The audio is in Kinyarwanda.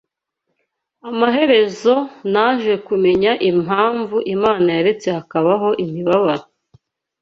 Amaherezo naje kumenya impamvu Imana yaretse hakabaho imibabaro